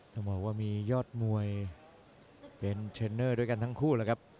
ถ้าบอกว่ามียอดมวยเป็นเชนเนอร์ด้วยกันทั้งคู่